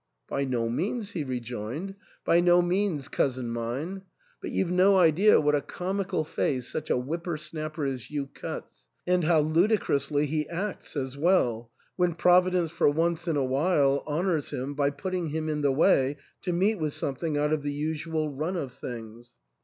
" By no means," he rejoined, "by no means, cousin mine ; but you've, no idea what a comical face such a whipper snapper as you cuts, and how ludicrously he acts as well, when Providence for once in a while honours him by putting him in the way to meet with something out of the usual run of things.